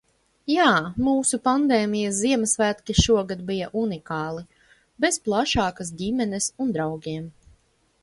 Jā, mūsu pandēmijas Ziemassvētki šogad bija unikāli – bez plašākas ģimenes un draugiem!